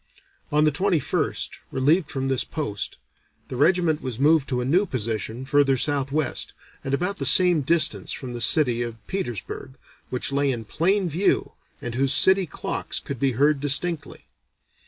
On the 21st, relieved from this post, the regiment was moved to a new position further southwest and about the same distance from the city of Petersburg, which lay in plain view and whose city clocks could be heard distinctly.